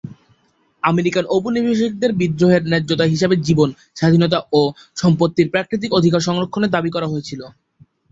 American ঔপনিবেশিকদের বিদ্রোহের ন্যায্যতা হিসাবে জীবন, স্বাধীনতা ও সম্পত্তির প্রাকৃতিক অধিকার সংরক্ষণের দাবি করা হয়েছিল।